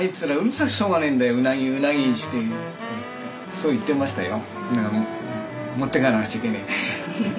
そう言ってましたよ。